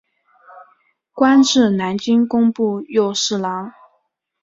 官至南京工部右侍郎。